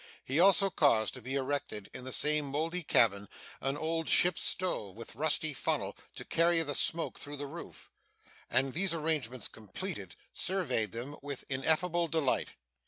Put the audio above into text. He also caused to be erected, in the same mouldy cabin, an old ship's stove with a rusty funnel to carry the smoke through the roof; and these arrangements completed, surveyed them with ineffable delight.